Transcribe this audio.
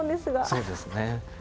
そうですね。